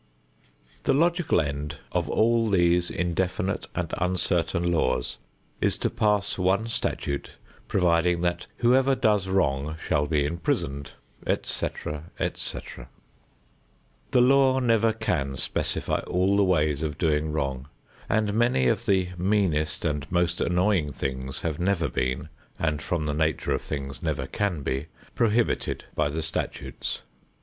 The logical end of all these indefinite and uncertain laws is to pass one statute providing that whoever does wrong shall be imprisoned, et cetera, et cetera. The law never can specify all the ways of doing wrong and many of the meanest and most annoying things have never been, and from the nature of things never can be, prohibited by the statutes.